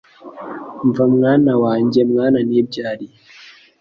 Umva mwana wanjye mwana nibyariye